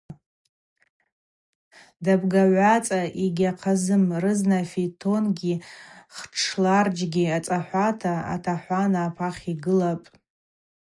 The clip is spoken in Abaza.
Дабгагӏваца йгьахъазым – рызна фитонкӏгьи хтшларджькӏгьи ацӏахӏвата атахӏвана апахь йгылапӏ.